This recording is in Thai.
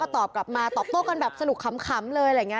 แต่เช้า